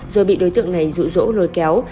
rồi bị đối tượng này rũ rỗ lôi kéo